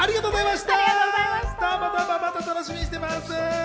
また楽しみにしてます。